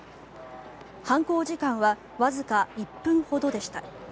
犯行時間はわずか１分ほどでした。